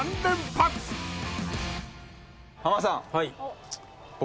浜田さん。